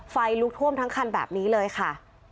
ไฟลุกท่วมทั้งคันแบบนี้เลยค่ะ